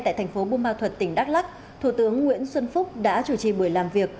tại thành phố bumau thuật tỉnh đắk lắc thủ tướng nguyễn xuân phúc đã chủ trì buổi làm việc